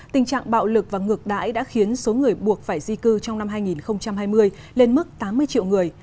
tình trạng bạo lực và ngược đãi đã khiến số người buộc phải di cư trong năm hai nghìn hai mươi lên mức tám mươi triệu người